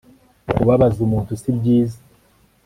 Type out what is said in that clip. kubabaza umuntu si byiza